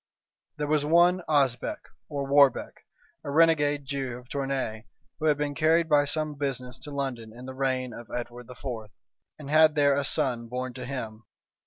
There was one Osbec, or Warbec, a renegade Jew of Tournay, who had been carried by some business to London in the reign of Edward IV., and had there a son born to him.